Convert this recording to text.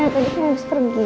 tadi kan abis pergi